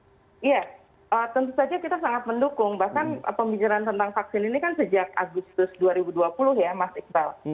iya tentu saja kita sangat mendukung bahkan pembicaraan tentang vaksin ini kan sejak agustus dua ribu dua puluh ya mas iqbal